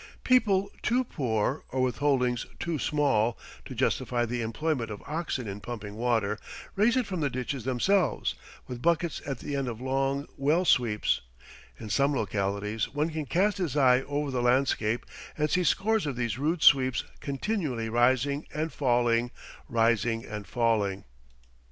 People too poor, or with holdings too small, to justify the employment of oxen in pumping water, raise it from the ditches themselves, with buckets at the end of long well sweeps; in some localities one can cast his eye over the landscape and see scores of these rude sweeps continually rising and falling, rising and falling.